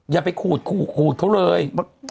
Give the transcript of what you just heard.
อย่าไปขูดแหละ